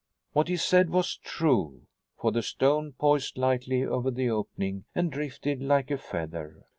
What he said was true, for the stone poised lightly over the opening and drifted like a feather.